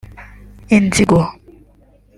Inzigo